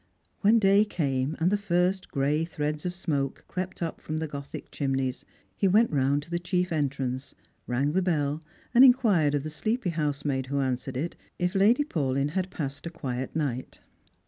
When day came, and the first gray threads of smoke crept up from the gothic chimneys, he went round to the chief entrance, rang the bell, and inquired of the sleepj"" housemaid who answered it if Lady Paulyn had passed a quiet night.